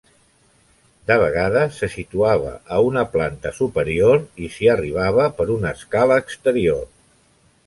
De vegades se situava a una planta superior i s'hi arribava per una escala exterior.